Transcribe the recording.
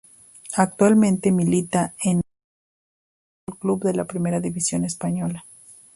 Actualmente milita en el Sevilla Fútbol Club de la primera división española.